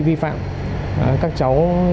vi phạm các cháu